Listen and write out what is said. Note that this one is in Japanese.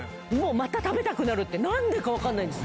また食べたくなる何でか分かんないんです。